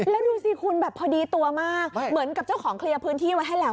แล้วดูสิคุณแบบพอดีตัวมากเหมือนกับเจ้าของเคลียร์พื้นที่ไว้ให้แล้ว